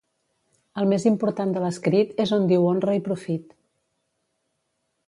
El més important de l'escrit és on diu honra i profit.